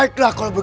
kau akan menang